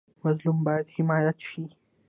مظلوم باید حمایت شي